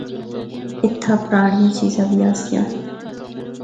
اِتھا پرانڑیاں چیزاں بھی آسیاں۔